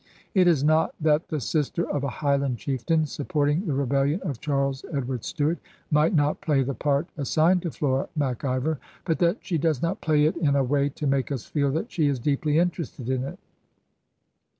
It is not that the sister of a Highland chieftain, supporting the rebellion of Charles Edward Stuart, might not play the part as signed to Flora Mac Ivor ; but that she does not play it in a way to make us feel that she is deeply interested in it.